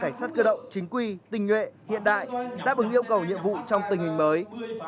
cảnh sát cơ động chính quy tình nguyện hiện đại đáp ứng yêu cầu nhiệm vụ trong tình hình mới